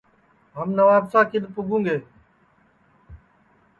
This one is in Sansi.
ہم نوابشاہ کِدؔ پُگوں گے